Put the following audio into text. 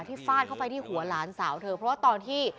ฟาดเข้าไปที่หัวหลานสาวเธอเพราะว่าตอนที่